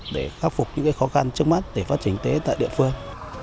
để khắc phục những khó khăn trước mắt để phát trình tế tại địa phương